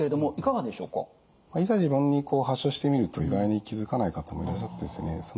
いざ自分に発症してみると意外に気付かない方もいらっしゃってですね